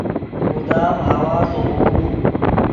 مدام ہوا زوغوؤ